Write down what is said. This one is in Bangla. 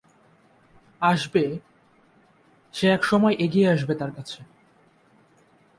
আসবে, সে এক সময় এগিয়ে আসবে তার কাছে।